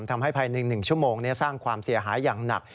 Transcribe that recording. ทำให้ภายหนึ่งชั่วโมงสร้างความเสียหายอย่างหนัก